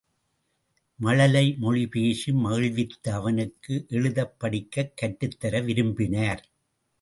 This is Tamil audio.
மழலை மொழி பேசி மகிழ்வித்த அவனுக்கு எழுதப்படிக்கக் கற்றுத்தர விரும்பினர்.